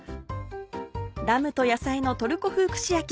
「ラムと野菜のトルコ風串焼き」